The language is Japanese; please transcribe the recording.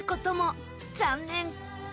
残念！